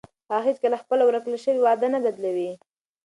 هغه هیڅکله خپله ورکړل شوې وعده نه بدلوي.